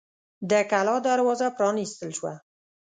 د کلا دروازه پرانیستل شوه.